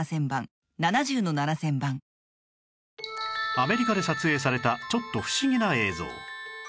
アメリカで撮影されたちょっと不思議な映像